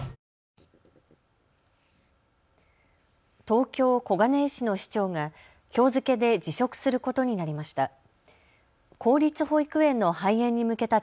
東京小金井市の市長がきょう付けで辞職することになりました。